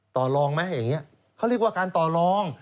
ต่อลองไหมอย่างนี้เขาเรียกว่าการต่อรอง